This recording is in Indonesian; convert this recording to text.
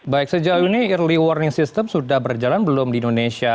baik sejauh ini early warning system sudah berjalan belum di indonesia